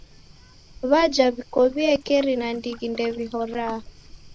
W'aja w'iko w'iekeri nandighi ndew'ihoraa.